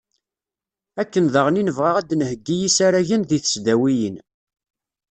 Akken daɣen i nebɣa ad nheggi isaragen deg tesdawiyin.